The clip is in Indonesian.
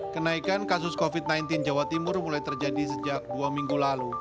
kenaikan kasus covid sembilan belas jawa timur mulai terjadi sejak dua minggu lalu